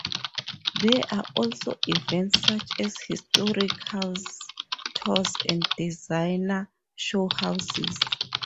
There are also events such as historic house tours and designer show houses.